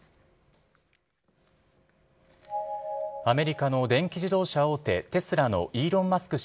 アメリカの電気自動車大手、テスラのイーロン・マスク